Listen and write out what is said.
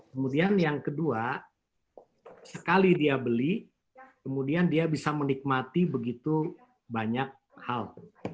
kemudian yang kedua sekali dia beli kemudian dia bisa menikmati begitu banyak hal